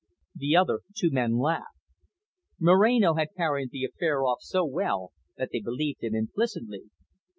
The other two men laughed. Moreno had carried the affair off so well that they believed him implicitly.